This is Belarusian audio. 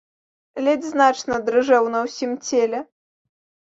Ледзь значна дрыжэў на ўсім целе.